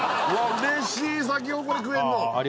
うれしいサキホコレ食えんのああああ